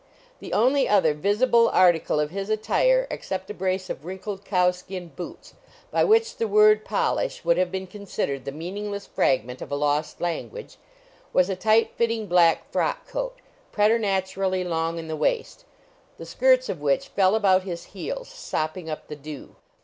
The only other visible article of his attire (except a brace of wrinkled cowskin boots, by which the word "polish" would have been considered the meaningless fragment of a lost language) was a tight fitting black frock coat, preternaturally long in the waist, the skirts of which fell about his heels, sopping up the dew.